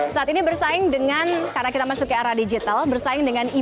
saat ini bersaing dengan karena kita masuk ke arah digital bersaing dengan ee